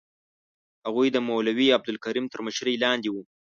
هغوی د مولوي عبدالکریم تر مشرۍ لاندې وو.